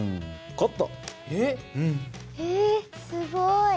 えすごい！